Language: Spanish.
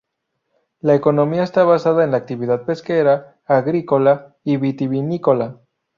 La economía está basada en la actividad pesquera, agrícola y vitivinícola.